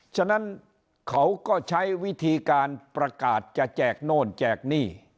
ฉะนั้นเขาก็ใช้วิธีการประกาศจะแจกโน่นแจกหนี้